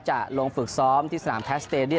จะลงฝึกซ้อมที่สนามแทสเตดีย